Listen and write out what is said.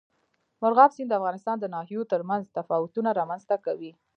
مورغاب سیند د افغانستان د ناحیو ترمنځ تفاوتونه رامنځ ته کوي.